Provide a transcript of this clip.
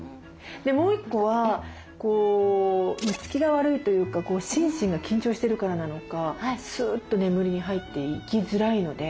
もう一個はこう寝つきが悪いというか心身が緊張してるからなのかスッと眠りに入っていきづらいので。